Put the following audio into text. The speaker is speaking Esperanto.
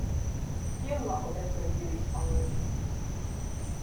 Kion la Obesoj diris al li?